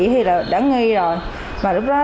thì đã nghi rồi mà lúc đó